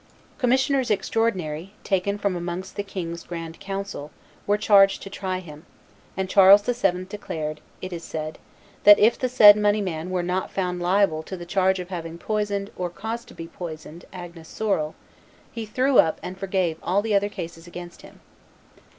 Commissioners extraordinary, taken from amongst the king's grand council, were charged to try him; and Charles VII. declared, it is said, that "if the said moneyman were not found liable to the charge of having poisoned or caused to be poisoned Agnes Sorel, he threw up and forgave all the other cases against him."